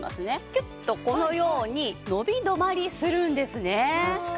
キュッとこのように伸び止まりするんですね。